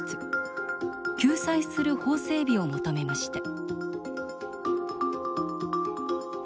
救済する法整備を求めました